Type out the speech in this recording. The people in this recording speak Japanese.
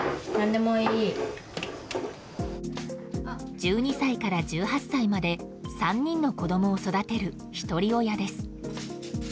１２歳から１８歳まで３人の子供を育てるひとり親です。